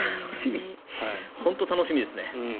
本当に楽しみですね。